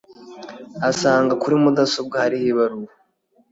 asanga kuri mudasobwa hariho ibaruwa